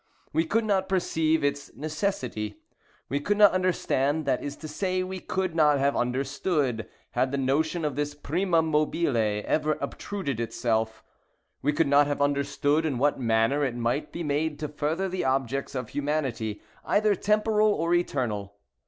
We could not perceive its necessity. We could not understand, that is to say, we could not have understood, had the notion of this primum mobile ever obtruded itself;—we could not have understood in what manner it might be made to further the objects of humanity, either temporal or eternal.